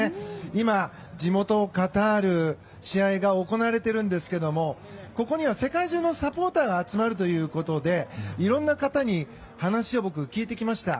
今、地元カタール試合が行われているんですけどもここには世界中のサポーターが集まるということでいろんな方に話を僕、聞いてきました。